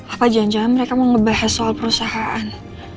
apa jangan jangan mereka mau ngebahas soal perusahaan